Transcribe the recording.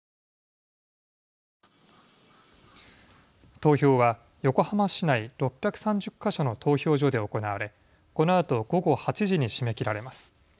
投票は横浜市内６３０か所の投票所で行われ、このあと午後８時に締め切られます。